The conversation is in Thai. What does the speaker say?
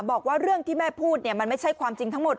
บอกว่าเรื่องที่แม่พูดมันไม่ใช่ความจริงทั้งหมด